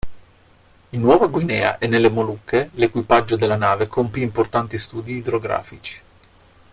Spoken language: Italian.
In Nuova Guinea e nelle Molucche l'equipaggio della nave compì importanti studi idrografici.